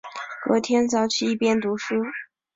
隔天早起一边读书